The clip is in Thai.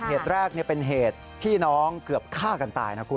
เหตุแรกเป็นเหตุพี่น้องเกือบฆ่ากันตายนะคุณ